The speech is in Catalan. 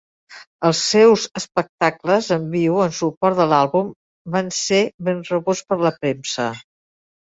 Els seus espectacles en viu en suport de l'àlbum van ser ben rebuts per la premsa.